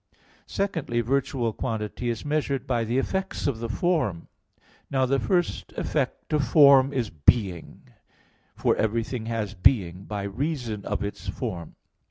Secondly, virtual quantity is measured by the effects of the form. Now the first effect of form is being, for everything has being by reason of its form.